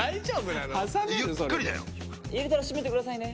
入れたら閉めてくださいね。